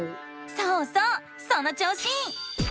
そうそうその調子！